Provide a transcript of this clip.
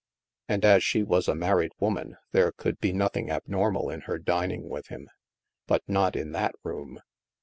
And as she was a married woman, there could be nothing abnormal in her dining with him. But not in that room!